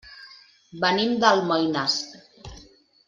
Venim d'Almoines.